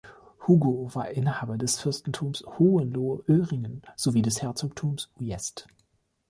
Hugo war Inhaber des Fürstentums Hohenlohe-Öhringen sowie des Herzogtums Ujest.